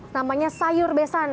namanya sayur besan